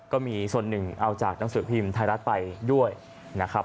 ก็มีส่วนหนึ่งเอาจากหนังสือพิมพ์ไทยรัฐไปด้วยนะครับ